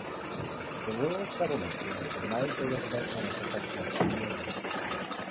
The rural settlement grew into a major residential and professional community.